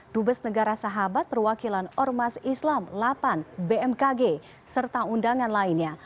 dubes negara sahabat perwakilan ormas islam lapan bmkg serta undangan lainnya